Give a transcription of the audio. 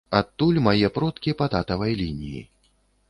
Адтуль мае продкі па татавай лініі.